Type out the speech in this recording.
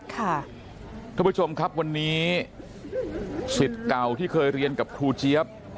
ท่านผู้ชมครับวันนี้สิทธิ์เก่าที่เคยเรียนกับครูเจี๊ยบ